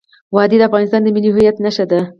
وادي د افغانستان د ملي هویت نښه ده.